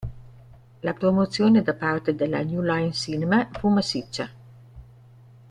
La promozione da parte della New Line Cinema fu massiccia.